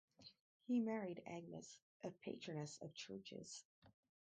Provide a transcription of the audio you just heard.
He married Agnes, a patroness of churches.